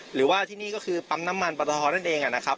หรือว่าที่นี่ก็คือปั๊มน้ำมันปตทนั่นเองนะครับ